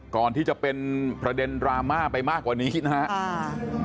ก่อนที่จะเป็นประเด็นดราม่าไปมากกว่านี้นะครับ